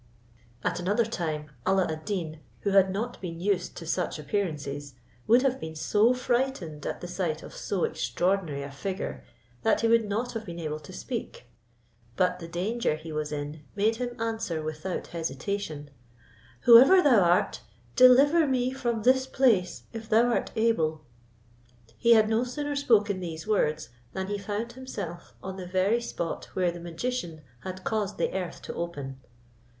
At another time, Alla ad Deen, who had not been used to such appearances, would have been so frightened at the sight of so extraordinary a figure that he would not have been able to speak; but the danger he was in made him answer without hesitation, "Whoever thou art, deliver me from this place, if thou art able." He had no sooner spoken these words, than he found himself on the very spot where the magician had caused the earth to open.